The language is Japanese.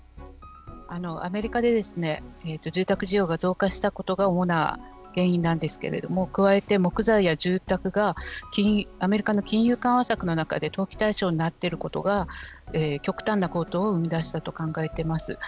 アメリカで住宅需要が増加したことが主な原因なんですけれども加えて、木材や住宅がアメリカの金融緩和策の中で投機対象になっていることが極端な高騰を生み出したと考えています。